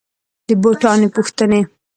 د بوټاني پوښتني